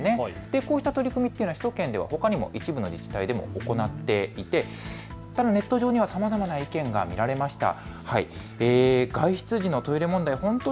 こうした取り組みというのは首都圏でも一部の自治体でも行っていてネット上にはさまざまな意見が見られました。